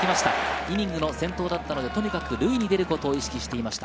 イニングの先頭だったので、とにかく塁に出ることを意識していました。